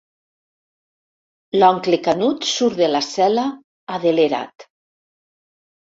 L'oncle Canut surt de la cel·la, adelerat.